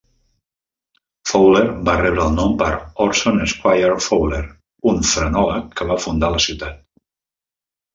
Fowler va rebre el nom per Orson Squire Fowler, un frenòleg que va fundar la ciutat.